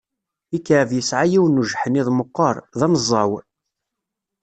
Ikɛeb yesɛa yiwen ujeḥniḍ meqqer, d aneẓẓaw.